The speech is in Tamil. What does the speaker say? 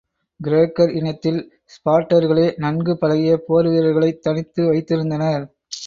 கிரேக்கர் இனத்தில் ஸ்பார்ட்டர்களே, நன்கு பழகிய போர் வீரர்களைத் தனித்து வைத்திருந்தனர்.